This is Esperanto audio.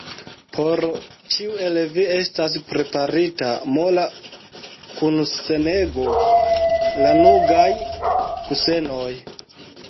Por ĉiu el vi estas preparita mola kusenego, lanugaj kusenoj!